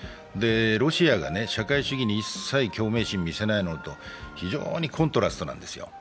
ロシアが社会主義に一切、共鳴心を見せない非常にコントラストなんですよ。